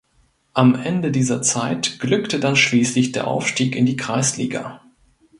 Am Ende dieser Zeit glückte dann schließlich der Aufstieg in die Kreisliga.